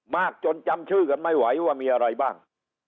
มากจนจำชื่อกันไม่ไหวว่ามีอะไรบ้าง